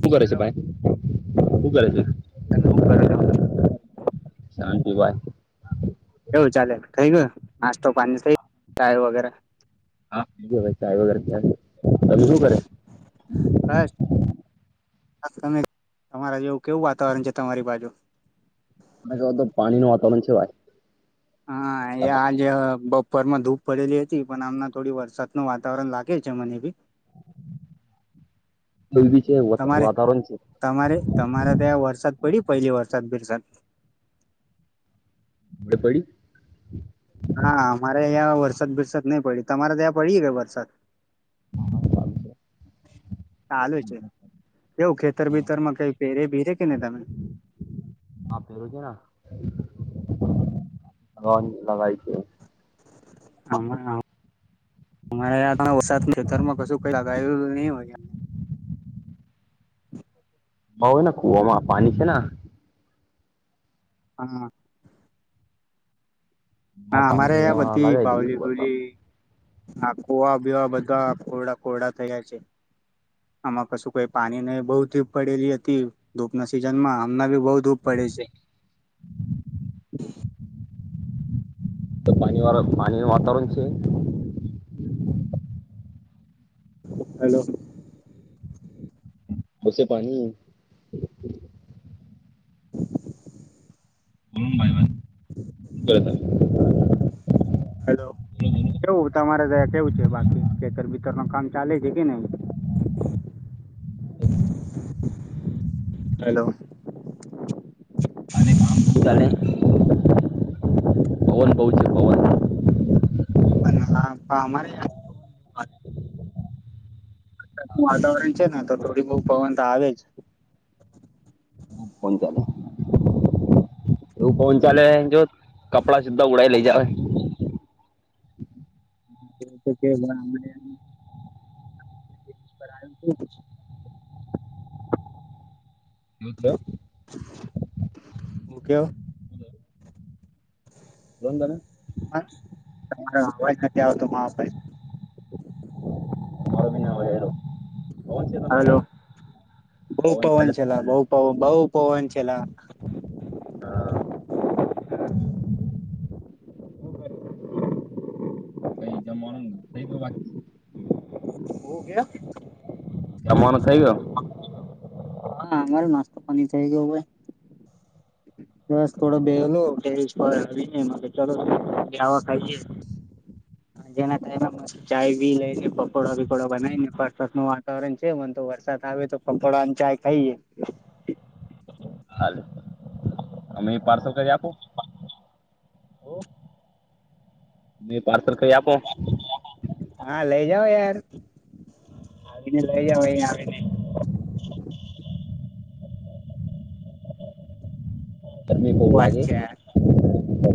શું કરે છે, હેલો ભાઈ. હું, કરે છે? તમે, ઉું કરજો. હા. ચાલે થઈ ગયું, નાસ્તો પાણી થઈ, ચાય વગેરે હા, હોય [unintelligible] તભી, શું કરે. બસ તમે તમારા જેવું, કેવું વાતાવરણ છે? તમારી બાજુ. ક તો પાણીનુ વાતાવરણ છે, વાય. હા યાઆજ. ઉપરમા ધૂપ પડેલી હતી, પણ આમના થોડી વરસાદનુ વાતાવરણ લાગે છે, મને ભી એવું બી છે વાત- તમારે, વાતાવરણ છે તમારે, તમારે ત્યા વરસાદ પડી પેલી, વરસાદ બેરસાદ. [unintelligible] પડી. હા, અમારે અહં વરસાદ બરસાદ નહીં, પડી તમારે ત્યાં પડી કે વરસાદ. ચાલુ છે, કેવું ખેતર ભતરમા કઈ, પેરે ભીરે કે ને તમે. લન લગય છે. હમણે વરસાદ ખતરમાં કશું કઈ લગાયું નહી, હોય. [inaudible] ભાઓ ને કુવામાં પાણી છે, ના. હા. એમાં હા પાણી અમારે છે એમાં બધી લગાવી બાઉલી દીધું વરસાદ બુલી. આ કોવા બીવા બધા ખોરડા ખોરડા થયા છે, આમાં કશું કઈ પાણીને બહ ધીપ પડેલી હતી, ધૂપના સીઝનમા હમ બી બહ દુપ પડે છે. [inaudible] પણી વા, પાણીમા વાતાવળ છે. હલો. પછશે પાણી. [inaudible] બોલોન ભાઈ, ભાઈ. [unintelligible] હલો કેવું તમારેયા કેવું છે, બાકી ખેતર વિતર ન કામ ચાલે છે, કે નહી. હેલો. તણે પવન, પૌચ પવન. પવન હા, હા અમારે વાતાવરણ બહુ છેને, તો થોડી બહ પવન તો આવે જ. પવન ચાલે એવું ફન ચાલે જો. કપડા સીધા ઉડાય લઈ, જાવવે. [unintelligible] [inaudible] વું હતું કે અ [inaudible] [inaudible] એવું થયું? હું કેવા બોલો ને તમે તમારો અવાજ નથી બોલો આવતો બોલો માભાઈ તમારો બી ના હોય હેરો પવન છે તમારે હલો બહુ પવન ચલા બહુ પવ [inaudible] પવન બહુ પવન છેલા કઈ જમાવાનું થઈ બાકી છે ઓ ગયા અમાન કઈ ગ હા અમાર નાસ્તો પા થઈ ગયયો હોાઈ બસ થોડો બેલો ટેરસ પર એ ચાલવા ખાય જેના કાર ચાય બી લઈને પકોડા પીડા બનાવીને વરસાત નું વાતાવરણ છે મ તો વરસાદ આવે તો પકોડા ચાય થઈ હાલે અમે પાર્સલ કરી આપો ન પાર્સલ કઈ આપો હા લઈ જાવ યાર આવીને લઈ જાવ અહી આવીને ગરમી બહુ શું વાત લાગે છે યાર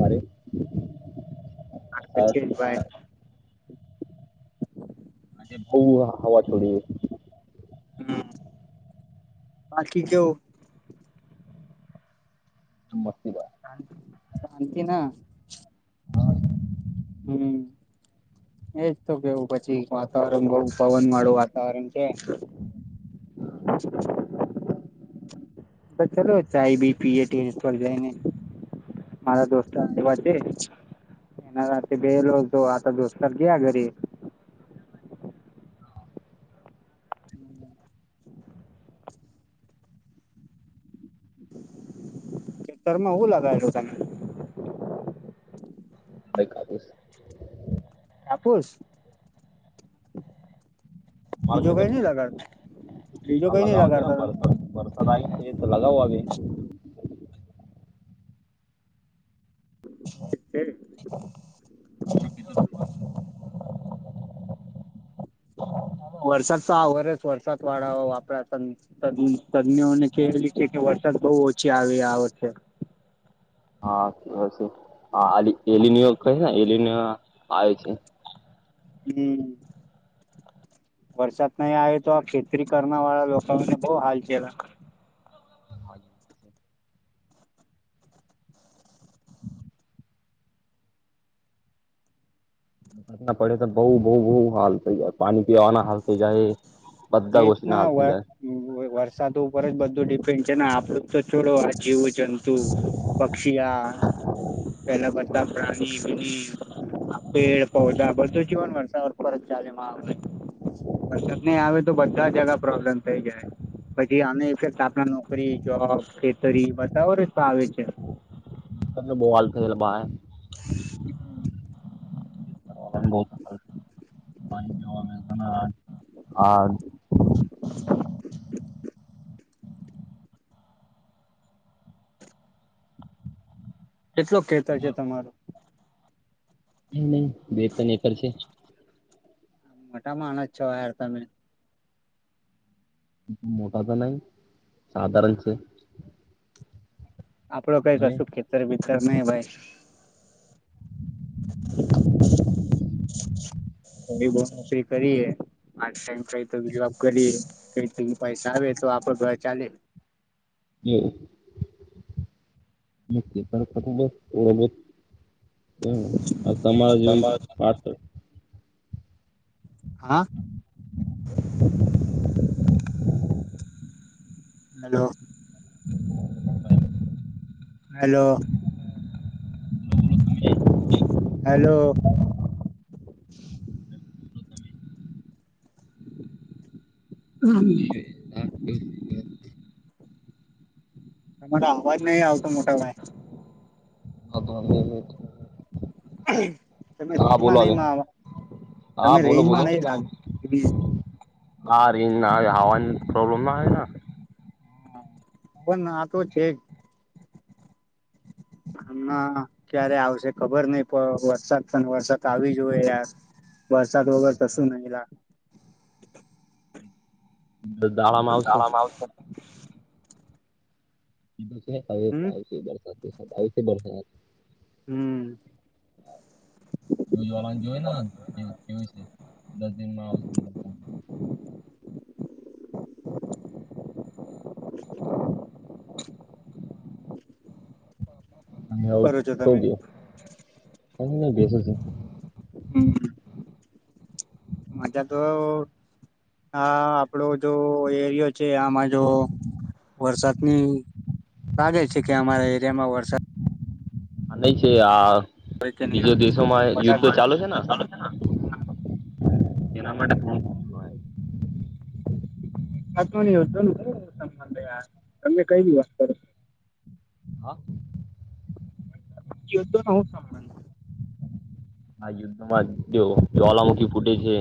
મારે હા તોછી જ ભાઈ જ બઉ હવા છોડી હમ બાકી કેવો [inaudible] શ [inaudible] શાંતિ ના હમ એજ તો કેવું પછી વાતાવરણ બ‌ઉ પવન વાળું વાતાવરણ છે પર ચલો ચાય બી પીએ ટેરેસ્ટ પર જ‌ઈને મારા દોસ્તાર વાસ્તે એના રાતે બે લોગ તો આ દોસ્તાર ગયા ઘરે ખેતરમાં હું લગાયેલો તમે કાઈ કાઢીશ ના હાપુસ માર્કેટ હ બીજો કઈ નઈ લગાવ છે લગાડતા નેરસાદ વરસાદ આવી છે તો લગાવો આવે [inaudible] [inaudible] [inaudible] [inaudible] વરસાદ તો આ વર્ષ વરસાદ વાળા વાપરા ત તજને કેલી છે કે વરસાદ બહુ ઓછી આવી આ વખે હા હશેું હાલી એલનયોર્ક ને એલીને આવે છે હમ વરસાદ નહી આવે તો આ ખેતરી કરના વાળા લોકોને બહ હાલ ચલા હા વરસાદ ના પડે તો બહુ બહુ બહુ હાલ થઈ જાય પાણી પીવાના હાલ થઈ જાય બધા એ જ ગોષ્ઠીના ના હાલ થઈ જાય વરસાદ ઉપર જ બધું ડિપેન્ડ છે ને આપડું તો છોડો જીવ જંતુ પક્ષી પેલા બધાા પેડ પદા બધું જીવન વરસાર પરત જ વરસાદ ન આવે તો બધા જગા પ્રોબ્લેમ થઈ જાય પછી અમે ઇફેક્ટ આપ નોકરી જોબ ખેતરી બધા ઓ રસ્ આવે છે તમને બોહલ થયે બ ઘ બ પાણી પવા આ આ [inaudible] કેટલો ખેતર છે તમારો? નહી બે ત્રણ એકર છે. મોટા માણસ છો યાર તમે. મોટા તો નહીં સાધારણ છે. આપણો કઈ હવે કશું ખેતર બી કરના હૈ ભાઈ. [unintelligible] [unintelligible] નરી કરીએ આ [unintelligible] જોબ કરીએ કઈ તો પૈસા આવે તો આપડો ઘર ચાલે. એવું! [unintelligible] આ તમારા જેવી પાછ હા. હલો. હલો. હેલો. આમ તમારો અવાજ નહીં આવતો મોટાભાઈ [unintelligible] હ તમે હા રેન્જમાં બોલો હવે નહીં માવો હા તમે બોલો રેન્જમાં બોલો નહીં રા હા રીંગના આવે હવાની પ્રોબ્લેમ ના આવે. પણ ના તો છે. હમણાં ક્યારે આવશે ખબર નહીં પણ વરસાદ પણ વરસાદ આવી જોયે યાર. વરસાદ વગર કશું નહીં લા. ને દાડામાં શાળામાં આવશે. [unintelligible] [unintelligible] આવેશે બરસાદ. હમ દુધવાળાને જોય ન કે છે દસ દિનમાં આવશે. [unintelligible] શું કરો છો તમે [unintelligible] બેસે છે. હમ્મ. [inaudible] મજા તો હ અ આપડો જો એરયો છે આમાં જો વરસાદની લાગે છે કે અમારા એરિયામાં વરસાદ હ લેય છે આ બીજો દેશોમાં યુદ્ધ ચાલુ છે ને [unintelligible] [unintelligible] [unintelligible] તમને કઇ [unintelligible] હ. [unintelligible] હા યુદ્ધમાં જો જવાલામુખી ફૂટે છે.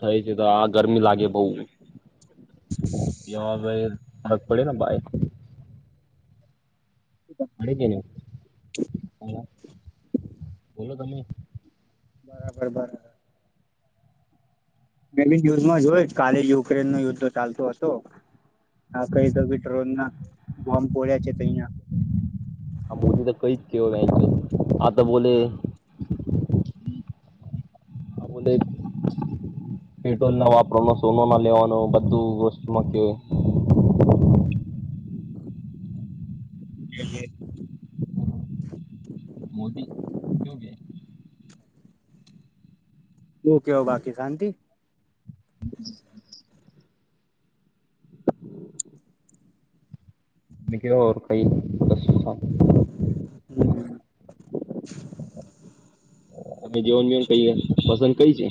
થાય છે તો આ ગરમી લાગે બઉ [unintelligible] [unintelligible] ના ભાઈ [unintelligible] બોલો તમે બરાબર બરાર મે બી ન્યૂઝ જોય કાલે જ યુક્રેન નો યુદ્ધ ચાલતું હતો આ કઈ ડ્રોન ના બોમ્બ ખલ્યા છે તો અહં આ બધ તો કઈ જ કે ત બોલે હા બોલે પેટ્રોલ ના વાપરવાનો સોનું ના લેવાનો બધું વસ્તુમાં કેવાય [unintelligible] મોદી [unintelligible] ઓ કેવ બાકી શાંતિ. [inaudible] [unintelligible] હમ્મ. અમે જવન જવન ક પસંદ કરીઈ છે.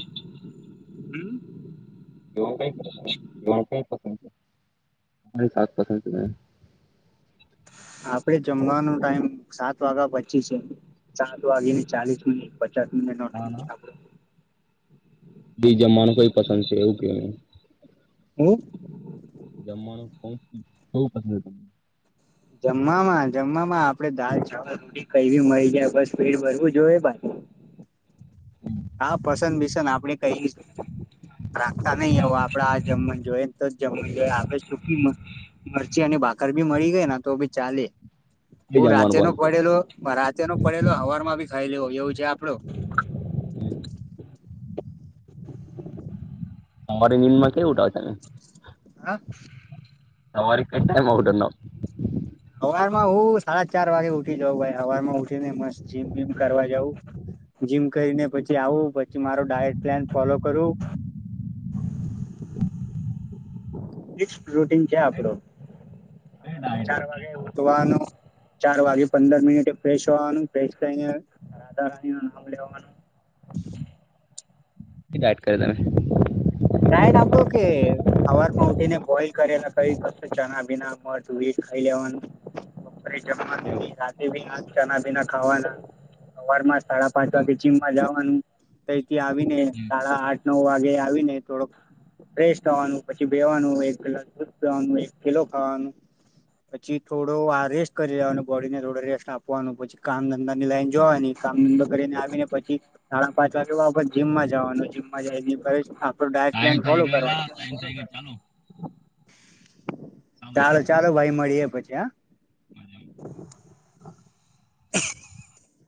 [unintelligible] આપડે જમવાનો ટાઈમ સાત વાગ્યા પછી છે સાત વાગે ને ચાલીસ મિનિટ પચાસ મિનિટ [unintelligible] બી જમવાનું કઈ પસંદ છે એવું કે હું જમવાનું હોવ પસ તને? જમવામાં જમવામાં આપણેે દાલ ચાવલ રોટી કઈ બી મળી જાય બસ ભેડ ભરવું જોઈએ. હા પસંદ ભિસંદ આપડે કઈશ. રાખતા નહી હવે આપડે આ જમવા જોઈએને તો જ જમવાનું જોયએ આપડે સુખી મરચી અને ભાકર ભી મળી ગઈ તો ભી ચાલે. બે હું જમવાનું રાતેે નો પસંદ પડેલો રાતેે નો પડેલો હવાર માં ભી ખાઈ લે એવું છે આપડું. [inaudible] અમારી [unintelligible] કેયુ [inaudible] હા. સવારી [unintelligible] સવારમાં હું સાડા ચાર વાગે ઉઠી જાઉ સવારમાં ઉઠી મસ્ત જીમમ કરવાઉ જીમ કરી પી આવું પ મારો ડાયટ પ્લાન ફોલો કરું ફિક્સ પ્રોટીન છે આપડું. હવારમાં ચાર વાગે હવાનું ચાર વાગે પંદર મિનિટે ફ્રેશ હોવાનું ફેશ થઈને રાધા રાણી નું નાવ લેવાનું. ગાઈડ કર તમે? સવાર માં ઉઠીને બોઈલ કરેલા ખાલી ફક્ત ચણા બીના મટ ખાઈ લેવાનુંપરે એવું જમવાનું રાી ચણા બીના ખાવાના સવારમાં સાડા પાંચ વાગે જીમમાં જવાનું તથી આવીને સાડા આઠ નવ વાગે આવીને થોડોક ફેશ થવાનું પછી બેવાનું એક પેલા દૂધ પીવાનું એક ખીલો ખાવાનું પછી થોડો આ રેસ્ટ કરી લેવાનું બોડીને થોડો રેસ્ટ આપવાનું પછી કામ ધંધાની લાઈન જોવાની કામ ધંધો કરીને આવીને પછી સાડા પાંચ વાગે બા જીમમાં જવાનુંમ મજા એ બ હા ડાયેટ ટાઈમ પ્લાન થઈ ફોલો કરવા ગયો ટાઈમ થઈ ગયો ચાલો ચાલો ચાલો ભાઈ મળ તે પછી આ [inaudible] [inaudible]